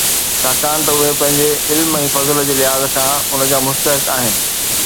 ڇاڪاڻ ته اهي پنهنجي علم ۽ فضل جي لحاظ کان ان جا مستحق آهن.